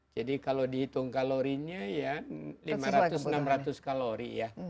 jadi kalau dihitung kalorinya ya lima ratus enam ratus kalori ya